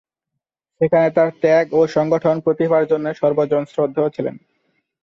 সেখানে তার ত্যাগ ও সংগঠন প্রতিভার জন্যে সর্বজনশ্রদ্ধেয় ছিলেন।